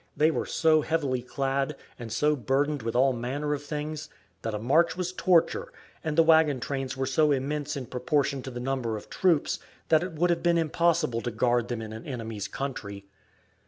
They were so heavily clad, and so burdened with all manner of things, that a march was torture, and the wagon trains were so immense in proportion to the number of troops, that it would have been impossible to guard them in an enemy's country.